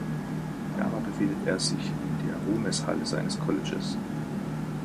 Ferner befindet er sich in der Ruhmeshalle seines Colleges.